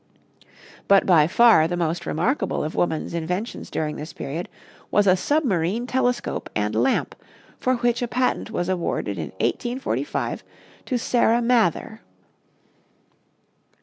But by far the most remarkable of woman's inventions during this period was a submarine telescope and lamp, for which a patent was awarded in 1845 to Sarah Mather.